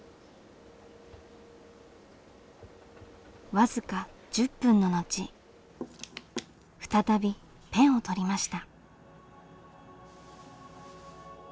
僅か１０分の後再びペンをとりました。